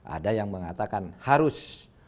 ada yang mengatakan harus